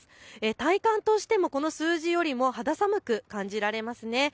体感としてもこの数字より肌寒く感じられます。